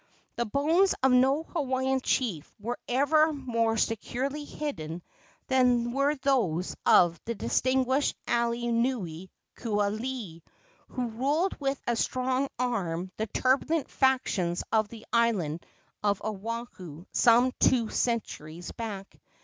The bones of no Hawaiian chief were ever more securely hidden than were those of the distinguished alii nui Kualii, who ruled with a strong arm the turbulent factions of the island of Oahu some two centuries back.